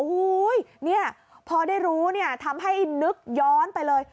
อุ๊ยพอได้รู้ทำให้นึกย้อนไปเลย